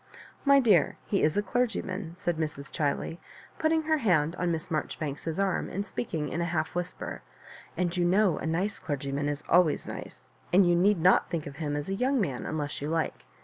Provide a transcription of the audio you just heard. *' My dear, he is a clergyman," said Mrs. Chiley, putting her hand on Miss Maijoribauks*s arm, and speaking in a half whisper; and you know a nice clergyman is always nice, and you need not think of him as a young man unless you like.